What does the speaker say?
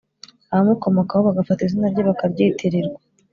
abamukomokaho bagafata izina rye bakaryitirirwa